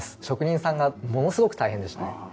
職人さんがものすごく大変でしたね。